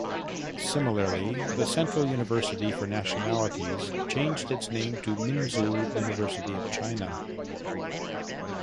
Similarly, the Central University for Nationalities changed its name to Minzu University of China.